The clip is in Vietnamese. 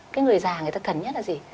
cái người già người ta cần nhất là gì